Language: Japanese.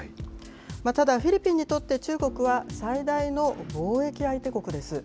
ただ、フィリピンにとって中国は、最大の貿易相手国です。